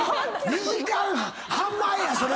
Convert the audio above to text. ２時間半前やそれ！